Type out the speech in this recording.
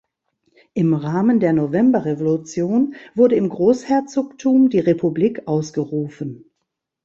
Im Rahmen der Novemberrevolution wurde im Großherzogtum die Republik ausgerufen.